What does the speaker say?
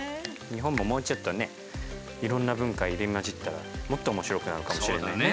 日本ももうちょっとねいろんな文化入り交じったらもっと面白くなるかもしれないね。